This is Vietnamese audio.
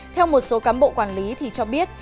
theo một số cán bộ quản lý thì cho biết